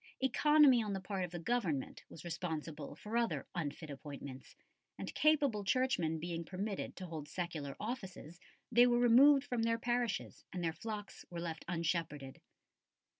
Economy on the part of the Government was responsible for other unfit appointments, and capable Churchmen being permitted to hold secular offices, they were removed from their parishes and their flocks were left unshepherded.